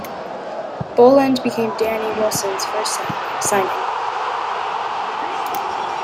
Boland became Danny Wilson's first signing.